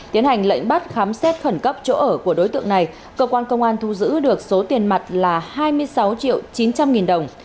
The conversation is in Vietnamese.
tiến hành lệnh bắt khám xét khẩn cấp chỗ ở của đối tượng này cơ quan công an thu giữ được số tiền mặt là hai mươi sáu triệu chín trăm linh nghìn đồng